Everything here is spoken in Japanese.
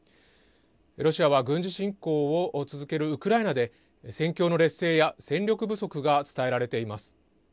ロシアは軍事侵攻を続けるウクライナで戦況の劣勢や戦力不足が伝えられています。